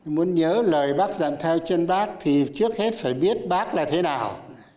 muốn nhớ lời bác dặn theo chân bác thì trước hết phải biết bác là thế nào